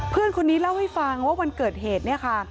เพื่อนคนนี้เล่าให้ฟังว่าวันเกิดเหตุเนี่ยค่ะ